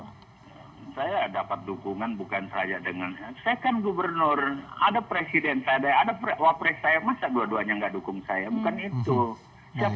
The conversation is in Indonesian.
saya dapat dukungan bukan saya dengan saya kan gubernur ada presiden saya ada wapres saya masa dua duanya nggak dukung saya bukan itu